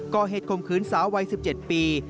ก็เหตุคมขืนสาววัย๑๗ปี